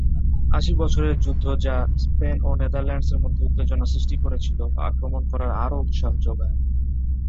আশি বছরের যুদ্ধ যা স্পেন ও নেদারল্যান্ডসের মধ্যে উত্তেজনা সৃষ্টি করেছিল আক্রমণ করার আরও উৎসাহ জোগায়।